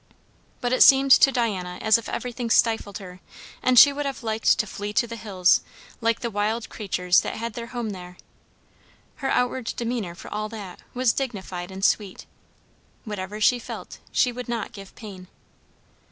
But it seemed to Diana as if everything stifled her, and she would have liked to flee to the hills, like the wild creatures that had their home there. Her outward demeanour, for all that, was dignified and sweet. Whatever she felt, she would not give pain.